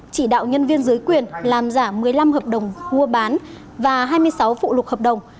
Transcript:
chỉ đạo nhân viên dưới quyền làm giả một mươi năm hợp đồng mua bán và hai mươi sáu phụ lục hợp đồng